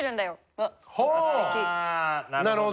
あなるほど。